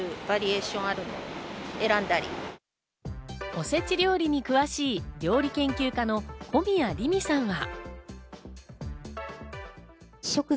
おせち料理に詳しい料理研究家の小宮理実さんは。